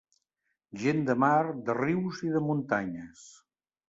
Gent de mar, de rius i de muntanyes.